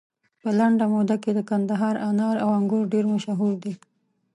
په لنده ميوه کي د کندهار انار او انګور ډير مشهور دي